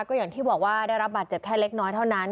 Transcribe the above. ก็อย่างที่บอกว่าได้รับบาดเจ็บแค่เล็กน้อยเท่านั้น